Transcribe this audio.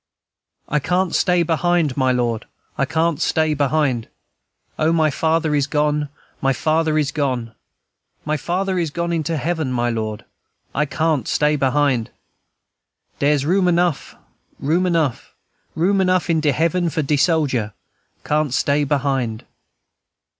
"I can't stay behind, my Lord, I can't stay behind! O, my father is gone, my father is gone, My father is gone into heaven, my Lord! I can't stay behind! Dere's room enough, room enough, Room enough in de heaven for de sojer: Can't stay behind!"